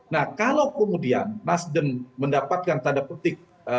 nah kalau kemudian nasdem mendapatkan tanda petik